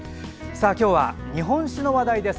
今日は日本酒の話題です。